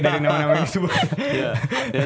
dari nama nama yang sebelumnya